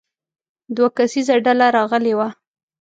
دوه کسیزه ډله راغلې وه.